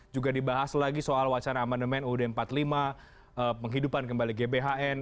juga dibahas lagi soal wacana amandemen ud empat puluh lima penghidupan kembali gbhn